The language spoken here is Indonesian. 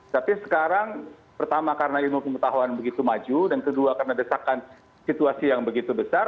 tapi sekarang pertama karena ilmu pengetahuan begitu maju dan kedua karena desakan situasi yang begitu besar